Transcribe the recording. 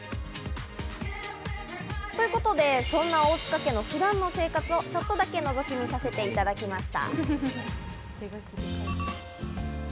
ということで、そんな大塚家の普段の生活をちょっとだけ、のぞき見させていただきました。